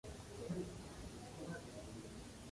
Nahant does not have a middle or high school.